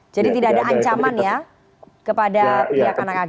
jadi tidak ada ancaman ya kepada pihak anak ag